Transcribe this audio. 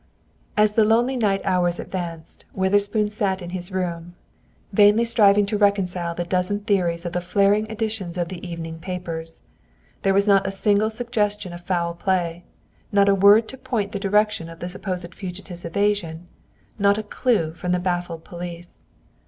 As the lonely night hours advanced, Witherspoon sat in his room, vainly striving to reconcile the dozen theories of the flaring editions of the evening papers. There was not a single suggestion of foul play; not a word to point the direction of the supposed fugitive's evasion; not a clue from the baffled police.